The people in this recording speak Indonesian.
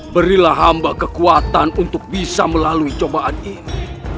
berilah hamba kekuatan untuk bisa melalui cobaan ini